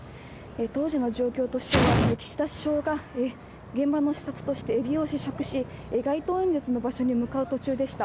当時の状況としては岸田首相が現場の視察として街頭演説の場所に向かう途中でした。